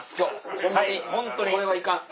ホンマにこれはいかん。